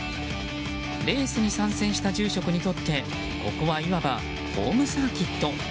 レースに参戦した住職にとってここは、いわばホームサーキット。